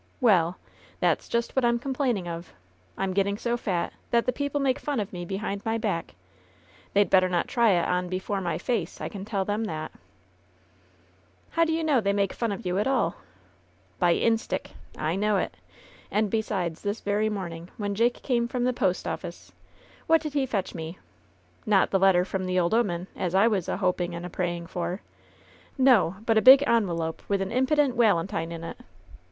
"Well ! That's just what I'm complaining of ! I'm getting so fat that the people make fun of me behind my back ; they'd better not try it on before my face, I can tell them that !" "How do you know they make fun of you at all ?" "By instick ! I know it. And besides, this very morn ing, when Jake came from the post office, what did he fetch me ? Not the letter from the old 'oman, as I was a hoping and a praying for! No! but a big onwelope with a impident walentine in it